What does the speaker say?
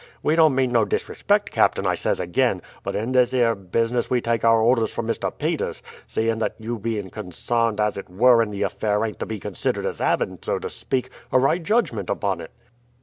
We don't mean no disrespect, captain, I says again; but in this 'ere business we take our orders from Mr. Peters, seeing that you being consarned as it were in the affair ain't to be considered as having, so to speak, a right judgment upon it."